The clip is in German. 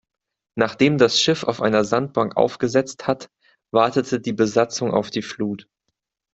Nachdem das Schiff auf einer Sandbank aufgesetzt hat, wartet die Besatzung auf die Flut.